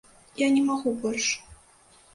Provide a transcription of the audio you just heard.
Я не магу больш.